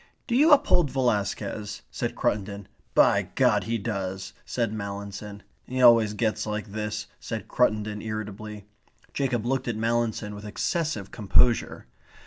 "Do you uphold Velasquez?" said Cruttendon. "By God, he does," said Mallinson. "He always gets like this," said Cruttendon irritably. Jacob looked at Mallinson with excessive composure.